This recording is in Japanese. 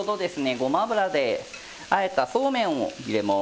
ごま油であえたそうめんを入れます。